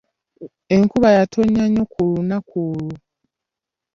Enkuba yatonnya nnyo ku lunaku olwo.